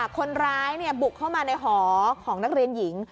คนร้ายบุกเข้ามาในหอของนักเรียนหญิง